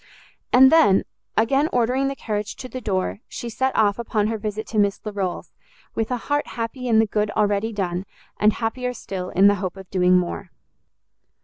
And then, again ordering the carriage to the door, she set off upon her visit to Miss Larolles, with a heart happy in the good already done, and happier still in the hope of doing more.